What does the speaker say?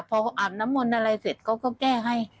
พออาบน้ำมนต์อะไรเสร็จเขาก็แก้ให้